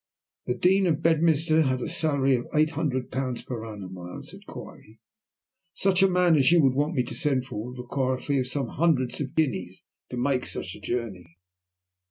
"The Dean of Bedminster has a salary of eight hundred pounds per annum," I answered quietly. "Such a man as you would want me to send for would require a fee of some hundreds of guineas to make such a journey."